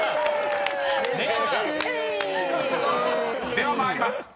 ［では参ります。